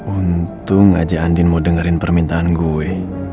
untung aja andin mau dengerin permintaan gue